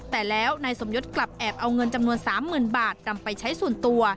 แต่แล้วนายสมยศกลับแอบเอาเงินจำนวน๓๐๐๐บาทนำไปใช้ส่วนตัว